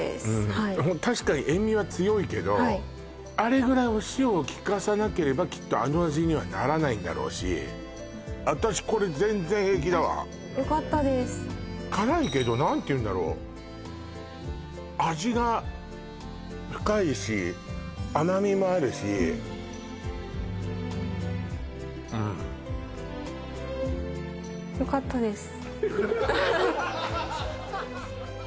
はいうん確かに塩味は強いけどあれぐらいお塩をきかさなければきっとあの味にはならないんだろうし私これ辛いけど何ていうんだろう味が深いし甘みもあるしうんよかったです